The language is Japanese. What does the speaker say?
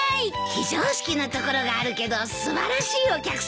非常識なところがあるけど素晴らしいお客さんだよ。